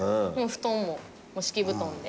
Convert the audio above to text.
布団も敷き布団で。